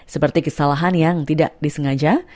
seperti kesalahan yang tidak disengaja